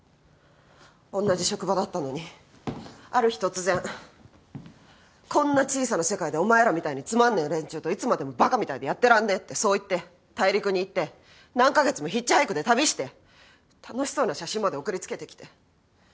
おんなじ職場だったのにある日突然「こんな小さな世界でお前らみたいにつまんねえ連中といつまでもバカみたいでやってらんねえ」ってそう言って大陸に行って何カ月もヒッチハイクで旅して楽しそうな写真まで送りつけてきて。